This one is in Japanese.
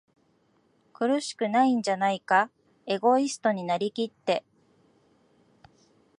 苦しくないんじゃないか？エゴイストになりきって、